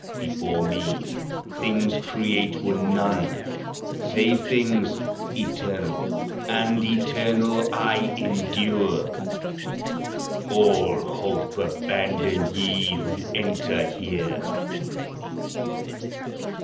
Before me things create were none, save things Eternal, and eternal I endure. All hope abandon, ye who enter here."